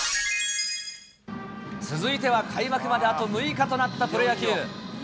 続いては開幕まであと６日となったプロ野球。